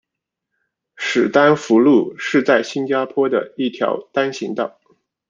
史丹福路是在新加坡的一条单行道。